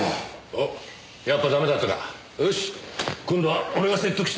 あっやっぱダメだったか。よし今度は俺が説得して。